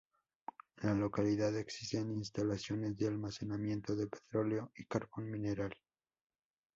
En la localidad existen instalaciones de almacenamiento de petróleo y carbón mineral.